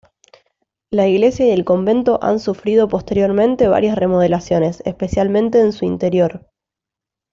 La iglesia y el convento han sufrido posteriormente varias remodelaciones, especialmente en su interior.